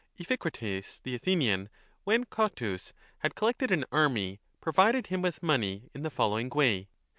Iphicrates, the Athenian, when Cotys had collected an army, provided him with money in the following way.